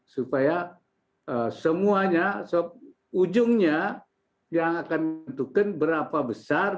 supaya semuanya ujungnya yang akan menentukan berapa besar